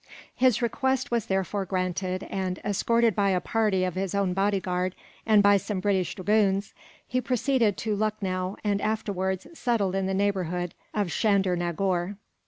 His request was therefore granted and, escorted by a party of his own bodyguard, and by some British dragoons, he proceeded to Lucknow and, afterwards, settled in the neighbourhood of Chandernagore.